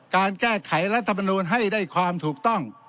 การแก้ไขรัฐมนูลให้ได้ความถูกต้อง